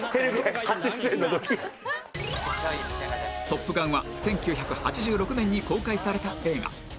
『トップガン』は１９８６年に公開された映画